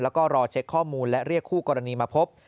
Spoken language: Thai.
แล้วก็รอเช็คข้อมูลและเรียกคู่กรณีมาพบ